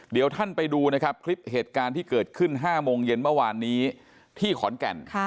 เดี๋ยวท่านไปดูนะครับคลิปเหตุการณ์ที่เกิดขึ้น๕โมงเย็นเมื่อวานนี้ที่ขอนแก่น